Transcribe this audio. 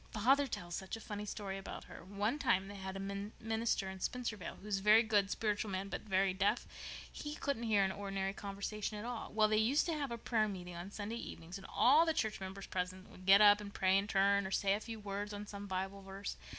Father tells such a funny story about her. One time they had a minister in Spencervale who was a very good, spiritual man but very deaf. He couldn't hear any ordinary conversation at all. Well, they used to have a prayer meeting on Sunday evenings, and all the church members present would get up and pray in turn, or say a few words on some Bible verse.